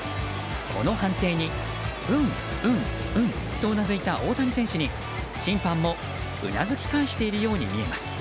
この判定に、うん、うんとうなずいた大谷選手に審判もうなずき返しているように見えます。